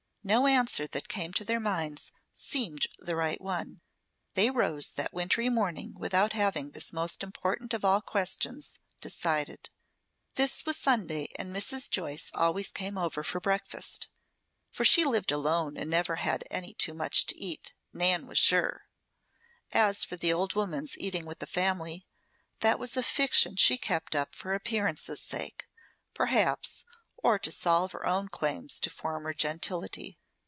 No answer that came to their minds seemed the right one. They rose that wintry morning without having this most important of all questions decided. This was Sunday and Mrs. Joyce always came over for breakfast; for she lived alone and never had any too much to eat, Nan was sure. As for the old woman's eating with the family, that was a fiction she kept up for appearance's sake, perhaps, or to salve her own claims to former gentility.